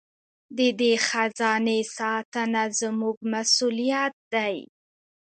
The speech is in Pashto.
د دې خزانې ساتنه زموږ مسوولیت دی.